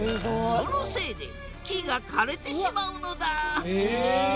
そのせいで木が枯れてしまうのだええ！